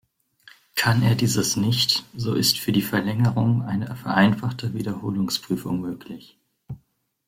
Kann er dieses nicht, so ist für die Verlängerung eine vereinfachte Wiederholungsprüfung möglich.